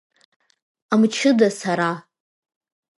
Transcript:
Амчыда сара.